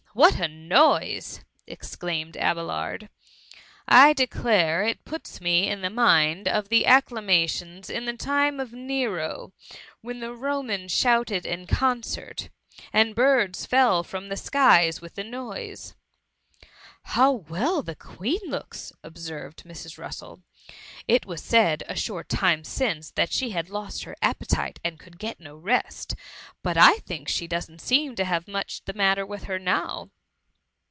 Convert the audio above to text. what a noise P exclaimed AbeUrd ;'^ I declare it puts me in mind of the THE MUMMT. S75 acclamations in the time of Nero, when the Romans shouted in concert, and birds fell from the skies with the noise ^" How well the Queen looks !" observed Mrs. Russd. *^ It was said a short time since, that she had lost her appetite and could get no rest ; but I think she doesn't seem to have much the xnatter with her now.''